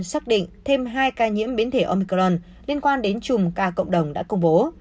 xác định thêm hai ca nhiễm biến thể omicron liên quan đến trùm ca cộng đồng đã công bố